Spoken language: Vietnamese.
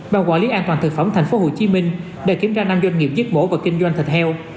ban quản lý an toàn thực phẩm tp hcm đã kiểm tra năm doanh nghiệp giết mổ và kinh doanh thịt heo